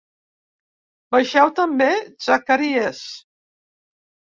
Vegeu també Zacaries.